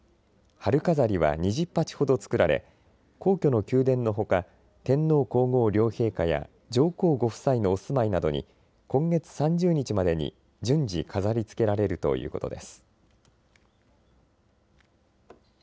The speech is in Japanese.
春飾りは２０鉢ほど作られ皇居の宮殿のほか天皇皇后両陛下や上皇ご夫妻のお住まいなどに今月３０日までに順次飾りつけられるということです。